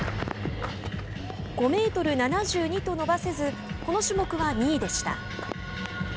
５メートル７２と伸ばせずこの種目は２位でした。